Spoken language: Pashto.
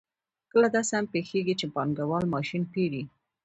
کله داسې هم پېښېږي چې پانګوال ماشین پېري